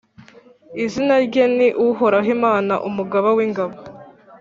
Izina rye ni Uhoraho, Imana umugaba w’ingabo.